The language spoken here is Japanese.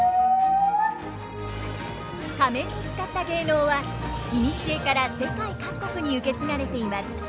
仮面を使った芸能はいにしえから世界各国に受け継がれています。